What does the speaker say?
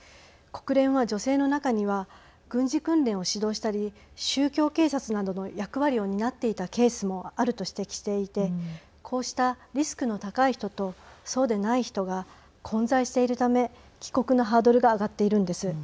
国連は女性の中には軍事訓練を指導したり宗教警察などの役割を担っていたケースもあると指摘していてこうしたリスクの高い人とそうでない人が混在しているため帰国のハードルが上がっているんです。